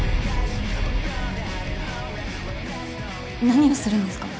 何をするんですか。